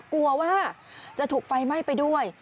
กลัวว่าจะถูกไฟไหม้ไปด้วย